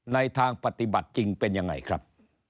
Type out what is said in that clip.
ในทางปฏิบัติจริงเป็นยังไงครับ